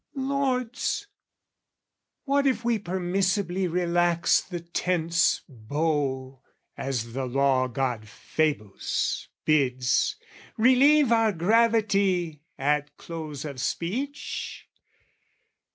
Lords, what if we permissibly relax The tense bow, as the law god Phaebus bids, Relieve our gravity at close of speech?